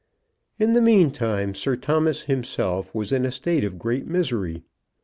In the meantime, Sir Thomas himself was in a state of great misery.